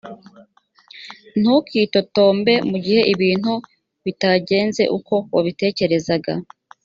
ntukitotombe mu gihe ibintu bitagenze uko wabitekerezaga